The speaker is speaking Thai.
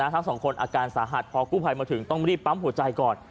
ทั้งสองคนอาการสาหัสพอกู้ภัยมาถึงต้องรีบปั๊มหัวใจก่อน